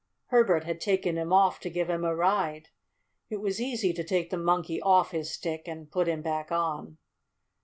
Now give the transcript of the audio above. Herbert had taken him off to give him a ride. It was easy to take the Monkey off his Stick and put him back on.